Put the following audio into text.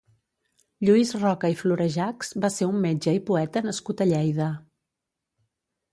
Lluís Roca i Florejachs va ser un metge i poeta nascut a Lleida.